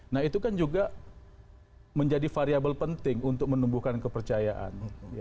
nah itu kan juga menjadi variable penting untuk menumbuhkan kepercayaan